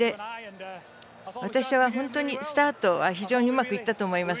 私は、本当にスタートは非常にうまくいったと思います。